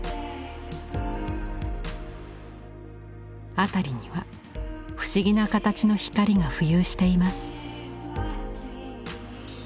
辺りには不思議な形の光が浮遊しています。